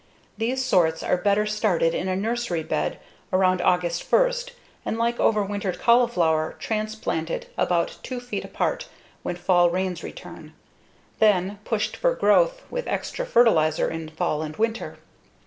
These sorts are better started in a nursery bed around August 1 and like overwintered cauliflower, transplanted about 2 feet apart when fall rains return, then, pushed for growth with extra fertilizer in fall and winter.